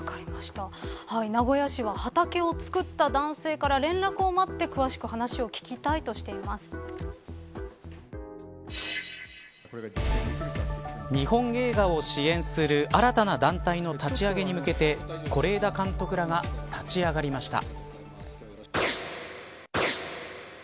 名古屋市は、畑を作った男性から連絡を待って詳しく話を日本映画を支援する新たな団体の立ち上げに向けて是枝監督らが立ち上がりました。